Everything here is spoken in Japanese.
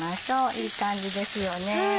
いい感じですよね。